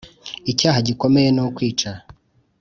icyaha gikomeye nu kwica